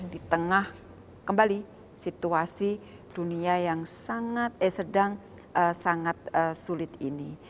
di tengah kembali situasi dunia yang sangat sedang sangat sulit ini